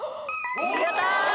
やったー！